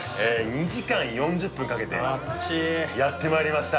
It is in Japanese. ２時間４０分かけてやって参りました